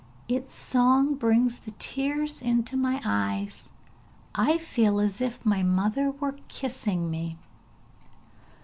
Its song brings the tears into my eyes; I feel as if my mother were kissing me!'